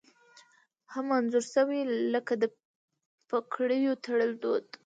هم انځور شوي لکه د پګړیو تړل دود